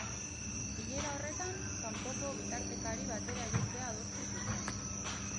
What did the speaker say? Bilera horretan, kanpoko bitartekari batera jotzea adostu zuten.